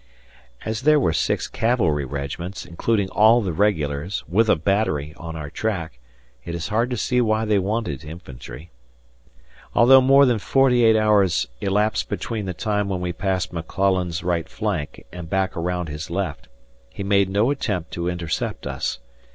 As there were six cavalry regiments, including all the regulars, with a battery, on our track, it is hard to see why they wanted infantry. Although more than forty eight hours elapsed between the time when we passed McClellan's right flank and back around his left, he made no attempt to intercept us.